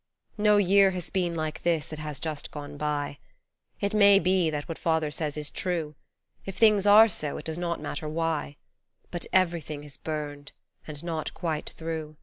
No year has been like this that has just gone by ; It may be that what Father says is true, If things are so it does not matter why : But everything has burned, and not quite through.